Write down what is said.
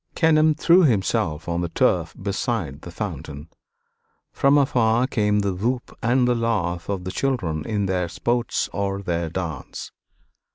Kenelm threw himself on the turf beside the fountain. From afar came the whoop and the laugh of the children in their sports or their dance.